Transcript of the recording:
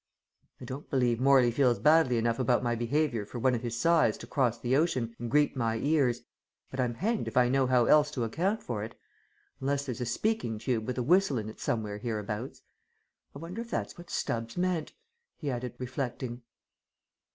"I don't believe Morley feels badly enough about my behaviour for one of his sighs to cross the ocean and greet my ears, but I'm hanged if I know how else to account for it, unless there's a speaking tube with a whistle in it somewhere hereabouts. I wonder if that's what Stubbs meant!" he added, reflecting.